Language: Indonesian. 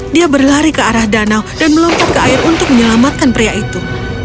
dia berlari ke arah danau dan melompat ke air untuk menyelamatkan pria itu